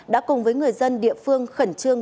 đã cùng với người dân địa phương khẩn trương